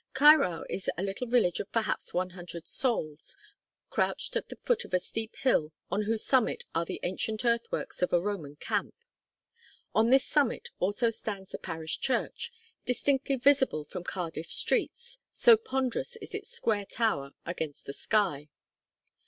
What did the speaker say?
Caerau is a little village of perhaps one hundred souls, crouched at the foot of a steep hill on whose summit are the ancient earthworks of a Roman camp. On this summit also stands the parish church, distinctly visible from Cardiff streets, so ponderous is its square tower against the sky.